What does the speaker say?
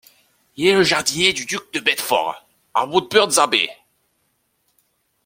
Il est le jardinier du duc de Bedfors à Woburn Abbey.